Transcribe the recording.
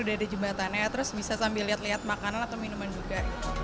dan ya terus bisa sambil lihat lihat makanan atau minuman juga